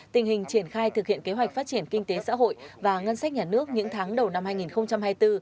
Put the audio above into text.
tình hình triển khai thực hiện kế hoạch phát triển kinh tế xã hội và ngân sách nhà nước những tháng đầu năm hai nghìn hai mươi bốn